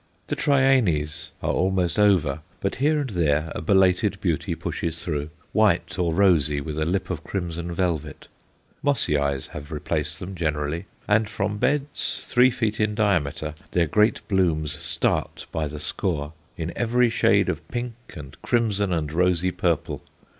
The Trianæs are almost over, but here and there a belated beauty pushes through, white or rosy, with a lip of crimson velvet. Mossiæs have replaced them generally, and from beds three feet in diameter their great blooms start by the score, in every shade of pink and crimson and rosy purple.